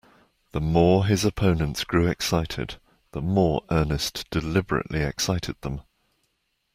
The more his opponents grew excited, the more Ernest deliberately excited them.